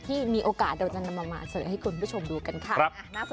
ที่มีโอกาสเราจะนำมาเสนอให้คุณผู้ชมดูกันค่ะ